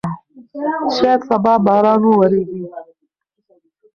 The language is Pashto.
شاید سبا باران وورېږي.